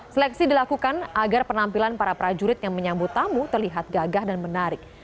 seleksi dilakukan agar penampilan para prajurit yang menyambut tamu terlihat gagah dan menarik